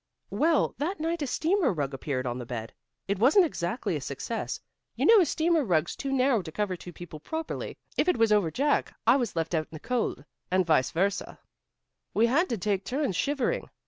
"Well, that night a steamer rug appeared on the bed. It wasn't exactly a success. You know a steamer rug's too narrow to cover two people properly. If it was over Jack, I was left out in the cold, and vice versa. We had to take turns shivering.